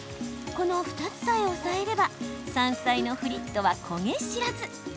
この２つさえ押さえれば山菜のフリットは焦げ知らず。